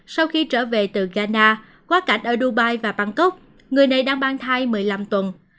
sau khi trở về từ ghana quá cảnh ở dubai và bangkok người này đang mang thai một mươi năm tuần